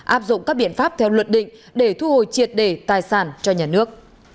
áp dụng các biện pháp theo luật định để thu hồi triệt đề tài sản cho nhà nước